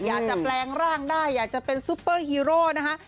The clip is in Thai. อยากจะแปลงร่างได้อยากจะเป็นซุปเปอร์ฮีโร่นะคะ